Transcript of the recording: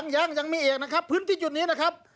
ยังมีอีกนะครับพื้นที่จุดนี้นะครับ